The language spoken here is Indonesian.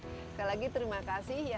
sekali lagi terima kasih